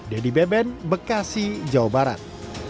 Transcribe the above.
dedy beben bekasi jawa barat